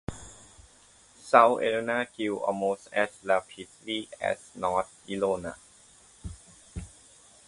South Enola grew almost as rapidly as North Enola.